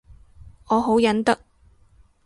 我好忍得